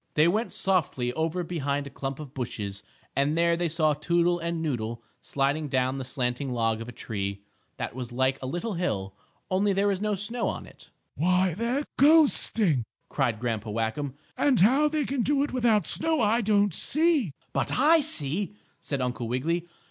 They went softly over behind a clump of bushes and there they saw Toodle and Noodle sliding down the slanting log of a tree, that was like a little hill, only there was no snow on it. "Why, they're coasting!" cried Grandpa Whackum. "And how they can do it without snow I don't see." "But I see!" said Uncle Wiggily.